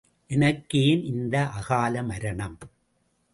எனக்கு ஏன் இந்த அகால மரணம்?